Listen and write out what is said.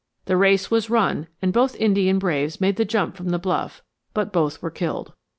"The race was run and both Indian braves made the jump from the bluff, but both were killed.